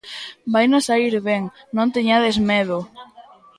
Vainos saír ben, non teñades medo!